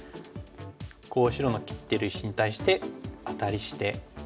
こう白の切ってる石に対してアタリして。